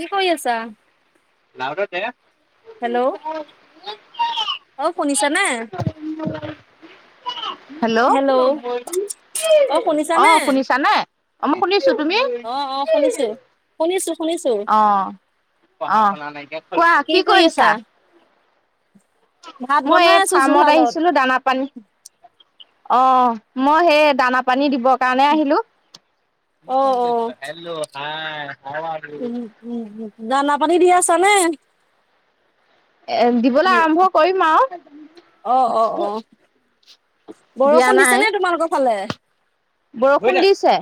কি কৰি আছা? লাৰু এটা দে [unintelligible] হেল্ল' অ শুনিছা নে? [unintelligible] হেল্ল' অ শুনিছা নে? অ মই শুনিছো তুমি? অ অ শুনিছো শুনিছো শুনিছো। অ অ কোৱা কি কৰিছা? [inaudible] মই বনাই এই আছো ফাৰ্মত জুহালত। আহিছিলো দানা পান অ মই সেই দানা পানী দিবৰ কাৰণে আহিলো। অ অ [unintelligible] উম উম দানা পানী দি আছা নে? এ দিবলৈ আৰম্ভ কৰিম অ অ অ আৰু দিয়া বৰষুণ দিছে নাই নে তোমালোকৰ ফালে? বৰষুণ দিছে।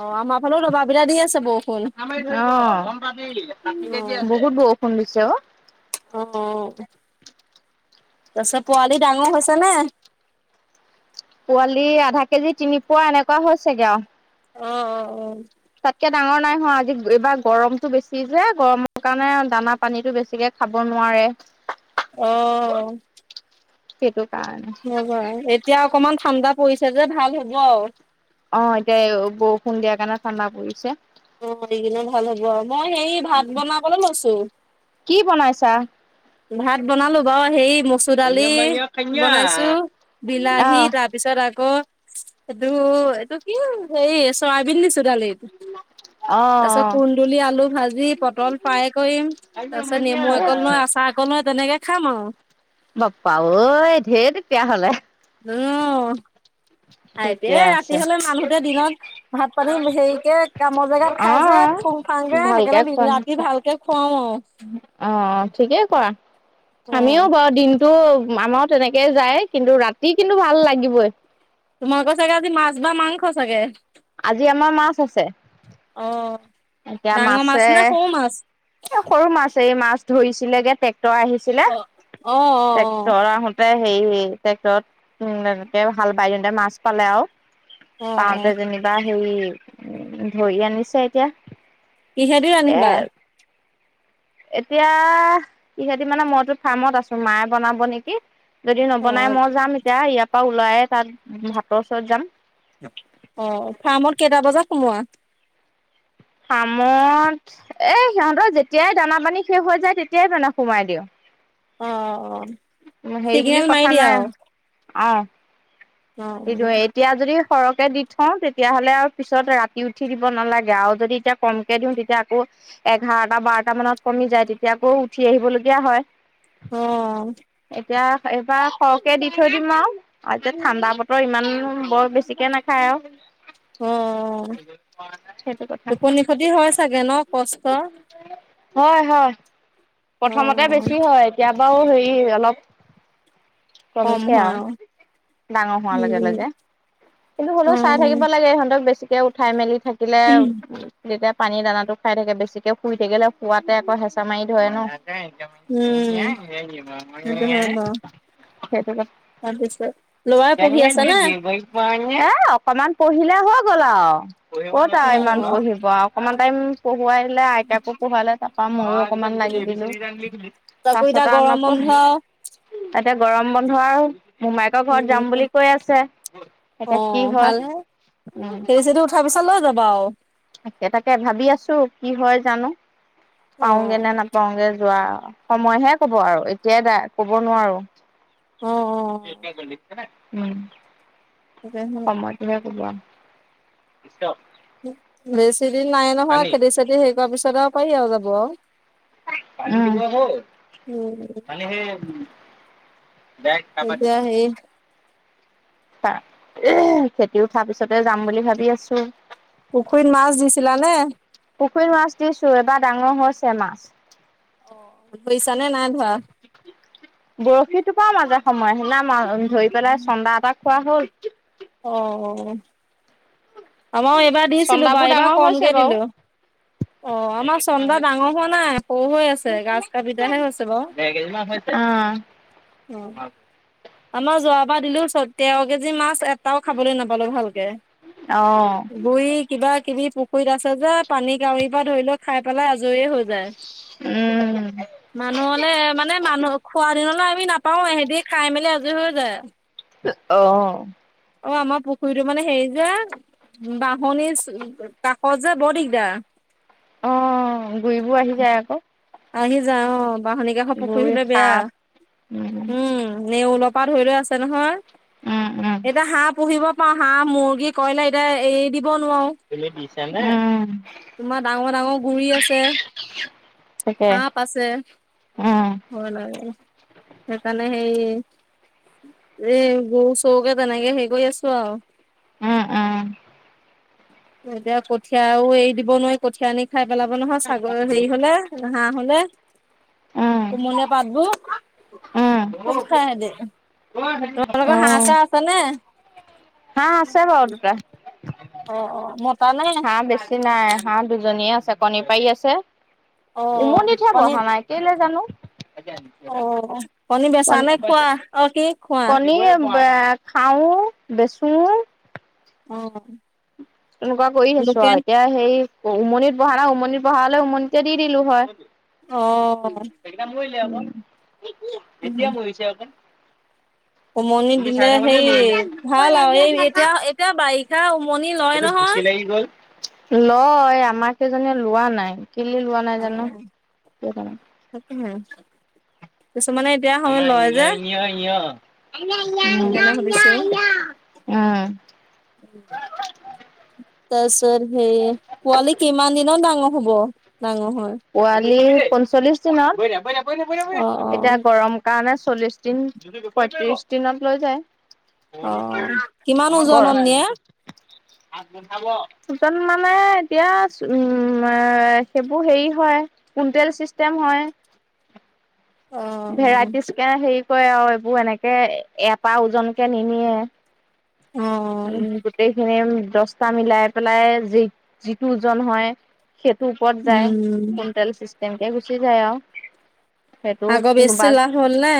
অ আমাৰ ফালেও ডবাপিতা দি আছে বৰ। অ অ বহুত বৰষুণ দিছে অ। অ অ তাৰপিছত পোৱালি ডাঙৰ হৈছে নে? পোৱালি আধা কেজি তিনি পোৱা এনেকুৱা হৈছেগে আৰু। অ অ অ। তাতকে ডাঙৰ নাই হোৱা আজি এইবাৰ গৰমতটো বেছি যে গৰমৰ কাৰণে দানা পানীতো বেছিকে খাব নোৱাৰে। অ সেইটো কাৰণে হব এতিয়া অকমান ঠাণ্ডা পৰিছে যে ভাল হ'ব আৰু। অ এতিয়া বৰষুণ দিয়াৰ কাৰণে ঠাণ্ডা পৰিছে। অ এই কিদিনত ভাল হ'ব, মই হেৰি ভাত বনাবলৈ লৈছো। কি বনাইছা? ভাত বনালো বাৰু হেই মচুৰ দালি বনাইছো বিলাহী আহ তাত তাৰ পিছত আকৌ এইটো এইটো কি হেৰি চয়াবিন দিছো দালিত। অ অ তাৰ পিছত কুন্দুলি, আলু ভাজি পটল ফ্ৰাই কৰিম। তাৰ পিছত নেমু একল লৈয় আচাৰ একল লৈয় তেনেকে খাম আৰু। বাপা ঐ ধেৰ তেতিয়া হ'লে। উম। আইদেই ঠিকে আছে ৰাতি হলে মানুহটোৱে দিনত ভাত পানী হেৰিকে কামৰ জেগাত অ খাই যে ফু্ং ফাংকে ভালকে সেইকাৰণে খোৱা ৰাতি নোখোৱা ভালকে খুৱাও আৰু অ ঠিকেই কৰা উম আমিও বৰ দিম। তো আমাৰ তেনেকেই যায় কিন্তু ৰাতি কিন্তু ভাল লাগিবই। তোমালোকৰ চাগে আজি মাছ বা মাংস চাগে। আজি আমাৰ মাছ আছে। অ। এতিয়া ডাঙৰ মাছে মাছ নে সৰু মাছ? এ সৰু মাছে মাছ ধৰিছিলেগে ট্ৰেক্টৰ আহি- ছিলে অ অ টেক্টৰ আহোত তে সেই সেই টেক্টৰত উ তেওঁ হাল বাইদিওতে মাছ পালে আও। অ অ অ পাওঁতে যেনিবা হে উ ধৰি আনিছে এতিয়া। কিহে দি এ ৰান্ধিবা? এতিয়া কিহেদি মানে মইতো ফাৰ্মত আছোঁ। মায়ে বনাব নেকি? যদি নবনাই মই যাম এতিয়া ইয়াৰ পৰা ওলাই তাত ভাতৰ ওচৰত যাম। অ ফাৰ্মত কেইটা বজাত সোমোৱা। ফ্ৰামত এ সিহঁতৰ যেতিয়াই দানা পানী শেষ হৈ যায় তেতিয়াই দানা সোমাই দিওঁ। অ অ অ হেৰি বুলি কথা নাই অ এইটোৱে এইট এতিয়া যদি সৰহকৈ দি থওঁ তেতিয়া হ'লে আও পিছত ৰাতি উঠি দিব নালাগে আও যদি এতিয়া কমকে দিওঁ তেতিয়া আকৌ এঘাৰটা বাৰটা মানত কমি যায় তেতিয়া আকৌ উঠি আহিবলগীয়া হয়। অ এতিয়া এইবাৰ সৰহকে দি থৈ দিম আও এতিয়া ঠাণ্ডা বত- ত ইমান বৰ বেছিকে নাখায় আও। অ সেইটো কথা। টোপনি খতি হয় চাগে ন কষ্ট হয় হয় অ প্ৰথমতে বেছি হয়। তিয়া বাও হৰি অলপ কম কমিছে আও হয় অ ডাঙ- হোৱা লগে উম লগে কিন্তু অ হ'লেও চাই থাকিব লাগে ইহঁতক বেছিকে উঠাই মেলি থাক- দিলেও। তেতিয়া পানী দানাটো খাই থাকে বেছিকে শুই থাকিলে শুৱাতে আকৌ হেচা মাৰি ধৰে ন। উম সেইটো হয় বাৰু [unintelligible] সেইটো কথা তাৰপিছত লৰাই পঢ়ি আছে না? [unintelligible] এ অকমান পঢ়িলে হৈ গ'ল আও কত অ আৰু ইমান পঢ়িব আও। অকমান টাইম পঢ়োৱাই আইতাকো পঢ়ালে তা- ময়ো অকমান লাগি দিলো তাকো এতিয়া তাছত আও গৰম বন্ধ নপঢ়ে। তাতে গৰম বন্ধ আৰু মোমায়েকৰ ঘৰত যাম উম বুলি কৈ আছে এতিয়া কি হয়। উম। খেতি উঠা পিছত লৈ যাবা আও। তাকে তাকে ভাবি আছো কি হয় জানো। পাওঁগে নে নাপাওঁগে যোৱা সময়হে কব আৰু এতিয়াই দা কব নোৱাৰোঁ। [unintelligible] উম তাকেহু সময় টোৱে কব আও। বেছি দিন নাই নহয় খেতি চেতি সেই কৰা পিছত আও পাৰি আও যাব। [unintelligible] উম, পানী সেই এতিয়া সেই খেতি উঠাৰ পিছতে যাম বুলি ভাবি আছোঁ। পুখুৰীত মাছ দিছিলা নে? পুখুৰীৰ মাছ দিছো এবাৰ ডাঙৰ হৈছে মাছ। অ ধৰিছা নে নাই ধৰা বৰশী টোপাও মাজে সময় সেইদিনা মাছ ধৰি পেলাই চন্দা এটা খোৱা হ'ল অ আমাৰো এইবাৰ দিছিলো বাৰু চন্দাবোৰ এইবাৰ ডাঙৰ কমকে হৈছে বাৰু দিলো। অ', দেৰ আমাৰ কেজি চন্দা মান ডাঙৰ হোৱা নাই সৰু হৈ আছে গাজ কাবিটাহে হৈছে বাৰু। হৈছ- অহ অ আমাৰ যোৱাবাৰ দিলো চৌধ তেৰ কেজি মাছ এটাও খাবলৈ নাপালো ভালকে। অ গুৰি কিবা কিবি পুখুৰীত আছে যে পানী কাউৰীৰ পৰা ধৰি লও খাই পেলাই আজৰি হৈ উম [unintelligible] মানুহ হলে মানে মানুহ খোৱা দিনলৈ আমি নাপাৱে হেদি খাই মেলি আজৰি হৈ যায় অ অ আমাৰ পুখুৰীটো মানে হেৰি যে বাঁহনি কাষত যে বৰ দিগদাৰ অঁ গুৰিবোৰ আহি যায় আকৌ আহি যা অ বাহনী কাষৰ পুখুৰী গুৰি হলে বেয়া সাপ উম নেওলপ পা ধৰি লয় আছে নহয় উম উম এতিয়া হাঁহ পুহিব পাওঁ হাঁহ, মুৰ্গী, কইলা এতিয়া এৰি দিব নোৱাৰো তুমি দিছা নে উম তোমাৰ ডাঙৰ ডাঙৰ গুৰি আছে [inaudible] সাপ আছে উম ভয় লাগে সেইকাৰণে সেই এ গৌ চৌকে তেনেকে সেই কৰি আছো আৰু উম উম এতিয়া কঠীয়াও এৰি দিব নোৱাৰি কঠীয়া আনি খাই পেলাব নহয় ছাগৰ হেৰি হলে হাঁহ হলে উম কোমলীয়া পাতবোৰ উম খুব খাই সেইতি অ তোমাৰলোকৰ হাঁহ চাহ আছে নে হাঁহ আছে বাও দুটা অ অ মতা নে হাঁহ বেছি নাই হাঁহ দুজনীয়ে আছে কণী পাৰী আছে অ উমনিতহে কণী বহা নাই কেলে জানো অ কণী বেছা নে খোৱা অ কি খোৱা কণীৰ খাওঁ বেচোঁ অ তেনেকুৱা কৰি আছো আৰু লোকেল এতিয়া সেই উমনিত বহা উমনিত বহা হলে উমনিতে দি দিলো অ হয় মৰিলে অক এতিয়া মৰিছে অকণ উমনি দিলে সেই ভাল আৰু এই এতিয়া এতিয়া বাৰিষা উমনি লয় নহয় সেই গ'ল লয় আমাক কেজনীয়ে লোৱা নাই কেলে লোৱা নাই অ জানো কিয় কাৰণে তাকেহে কিছুমানে এতিয়া সময় আমাৰ লয় যে [unintelligible] সেইকাৰণে সুধিছো তাৰ পিছত হে পোৱালি কিমান দিনত ডাঙৰ হব ডাঙৰ হয় পোৱালি পঞ্চল্লিশ দিনত অ এতিয়া অ গৰম কাৰণে চল্লিশ দিন, পয়ত্ৰিশ দিনত লৈ যায় অ [unintelligible] কিমান কৰ ওজনত নিয়ে ওজন মানে এতিয়া উ সেইবোৰ সেই হয় কুইন্টেল চিষ্টেম হয় অ ভেৰাইটিজ কে হেৰি কৰে আৰু এইবোৰ এনেকে এটাৰ ওজনকে নিনিয়ে। অ উম গোটেইখিনি দহটা মিলাই পেলাই যিটো ওজন হয়। সেইটোৰ ওপৰত যায়, উম কুণ্টেল চিষ্টেমকে গুচি যায় আও। সেইটো আগৰ বেজটো কোনোবা লাভ হ'ল নে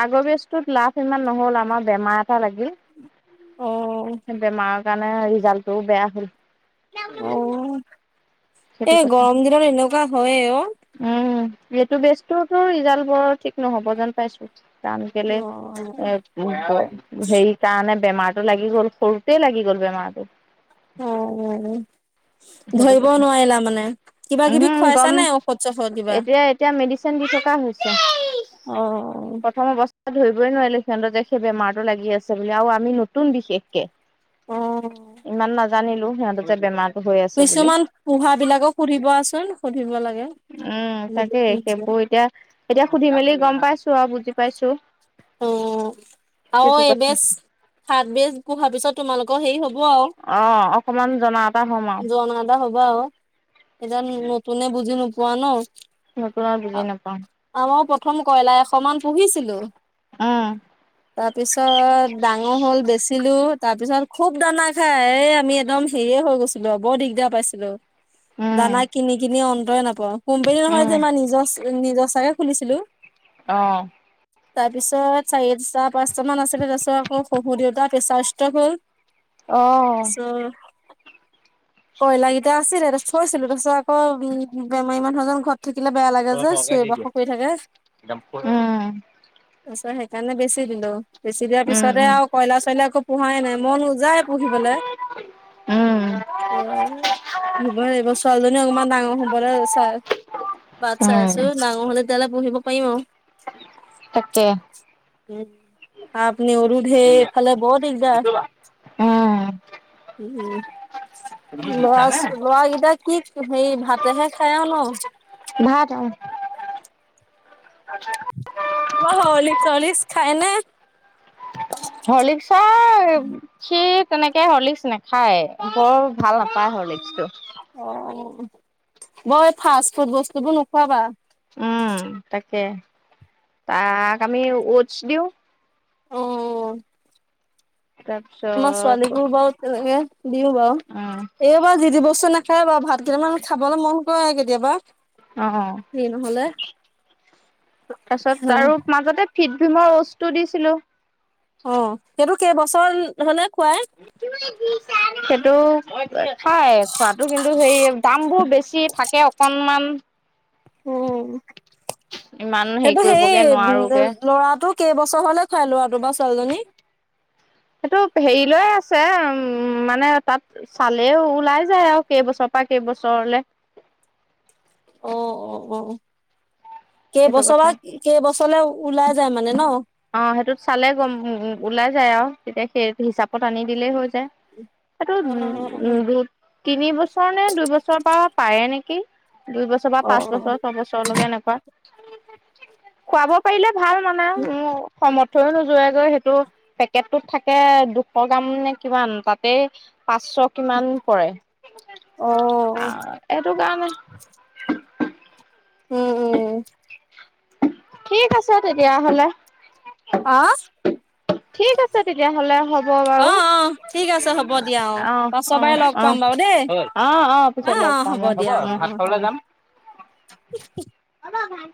আগৰ বেজটোত লাভ ইমান নহ'ল আমাৰ বেমাৰ এটা লাগিল। অ বেমাৰৰ কাৰণে ৰিজাল্টটোও বেয়া হ'ল সেইটো এ কথা গৰম দিনত এনেকুৱা হয় অ উম এইটো বেস্তটোতো ৰিজাল্ট বৰ ঠিক নহ'ব যেন পাইছো টান কেলে অ এ [unintelligible] সেই কাৰণে বেমাৰটো লাগি গ'ল, সৰুতে লাগি গ'ল বেমাৰটো। অ', অ', অ'। সেইটো ধৰিব কথা নোৱাৰিলা মানে। কিবা উমহু কিবি খুৱাইছা গম নে ঔষধ-চৌষধ কিবা? এতিয়া এতিয়া মেডিচিন দি থকা হৈছে, অ প্ৰথম অৱ ধৰিবই নোৱাৰিলো সিহঁতৰ যে সেই বেমাৰটো লাগি আছে বুলি, আও আমি নতুন বিশেষকে। অ ইমান নাজানিলো, সিহঁতৰ যে বেমাৰ কিছুমান পোহা বিলাকক সুধিবা চোন, সুধিব লাগে। উম তাকেই, সেইবোৰ এতিয়া এতিয়া সুধি মেলি গম পাইছো আৰু বুজি পাইছো। উম, আও সেইটো কথা। এবেজ হাপবেজ হোৱাৰ পিছত তোমালোকৰ হেৰি হ'ব আও, অ', অকমান জনা এটা হ'ম আৰু জনা হ'ব আও, [unintelligible] নতুনে বুজি নোপোৱা ন। নতুন আও বুজি নাপাওঁ। আমাৰো প্ৰথম কয়লাৰ এশ মান পুহিছিলো। উম। তাৰপিছত ডাঙৰ হ'ল, বেচিলো। তাৰ পিছত খুব দানা খাই, এই আমি একদম হেৰিয়ে হৈ গৈছি ল বৰ দিগদাৰ পাইছিলো। উম, দানা কিনি-কিনি অন্তৰেই নাপাওঁ, কোম্পেনী নহয় যে উম, আমাৰ নিজৰ চ নিজচাকে খুলিছিলো। অ'। তাৰ পিছত চাৰিটা-পাঁচটা মান আছিলে, তাৰছত আকৌ শহুৰ দেউতা পেচাৰ ষ্ট্ৰোক হ'ল। অ'। কয়লাৰ কিটা আছিলে তাৰছত থৈছিলো, তাৰপিছত আকৌ উম বেমাৰী মানুহ এজন ঘৰত থাকিলে বেয়া লাগে যে, চিয়ৰ-বাখৰ কৰি থাকে। উম, উম, তাৰছত সেইকাৰণে বেছি দিলো। বেছি দিয়াৰ পিছতে উম, আও কয়লাৰ-চয়লাৰ একো পোহাই নাই, মন যায় পুহিবলে। উম। অ', পুহিবয়ে লাগিব ছোৱালীজনী অকণমান ডাঙৰ হ'বলৈ চা বাট চাই উম, আছো, ডাঙৰ হ'লে তেতিয়ালে পুহিব পাৰিম আও। তাকে। উম, আপনি আৰু ধেই ইফালে বৰ দিগদাৰ। উম, উম, লৰা-লৰাকেইটা কি হেৰি ভাতেহে খাই আৰু ন? ভাত, অ'। [unintelligible] কিবা হৰ্লিক্স-চৰ্লিক্স খাইনে? হৰ্লিক্স আ সি সি তেনেকে হৰ্লিক্স নাখায়, বৰ ভাল নাপায় হৰ্লিক্সটো। অ', বৰ এই ফাষ্টফুড বস্তুবোৰ নোখোৱাবা। উম তাকে, তাক আমি ওটছ দিওঁ। অ'। [unintelligible] আমাৰ ছোৱালীকো বাৰু তেনেকে দিওঁ বাৰু। উম। যিটি বস্তু নাখায় বাৰু, ভাত কেইটামান খাবলৈ মন কৰে কেতিয়াবা। অ'হ সেই নহ'লে। পাছত আৰু মাজতে ফিট ভিমৰ বস্তু দিছিলো। অ', সেইটো কেইবছৰ হলে খোৱাই? সেইটো আ খাই খোৱাতো কিন্তু হেৰি, দামবোৰ বেছি থাকে অকণমান উমঁ। এ' সেইটো সেই উমঁ ল'ৰাটো কেইবছৰ হ'লে খোৱাই ল'ৰাটো বা ছোৱালীজনী? সেইটো হেৰি লৈ আছে উমঁ মানে তা'ত- চালে ওলাই যায় আৰু কেইবছৰৰ পৰা কেইবছৰলে। অ অ অ সেইটো কেইবছৰ পা কথা কি- কেইবছৰলে ওলাই যায় মানে ন। অ সেইটোত চালে গম ওলাই যায় আও। তেতিয়া সেই হিচাপত আনি দিলেই হৈ যায়। এইটো অ উ উম দু তিনি বছৰ নে দুই বছৰৰ পা পাৰে নেকি দুইবছৰ। বা অ পাঁচ বছৰ ছবছৰলৈকে এনেকুৱা খোৱাব। পাৰিলে ভাল মানে উম মোঅ সমৰ্থও নোযোৱেগৈ সেইটো পেকেটটোত থাকে দুশ গ্ৰাম নে কিমান তাতেই। পাঁচশ কিমান পৰে, আহ এইটো কাৰণে। উ'ম, উ'ম। ঠিক আছে তেতিয়াহ'লে। আ'হ। ঠিক আছে তেতিয়াহ'লে হব হ'ব অ অ বাউ ঠিক আছে হ'ব দিয়া অ, অ, পাছৰবাৰে লগ অ, পাম বাৰু দেই অ, অ। পিছত লগ পাম অ উম উম হ'ব ভাত খাবলে যাম। [unintelligible] অ মা ভাত।